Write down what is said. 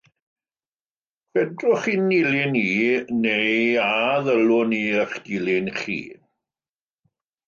Fedrwch chi fy nilyn i neu a ddylwn i eich dilyn chi?